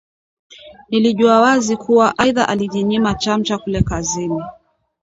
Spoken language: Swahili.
Nilijua wazi kuwa aidha alijinyima chamcha kule kazini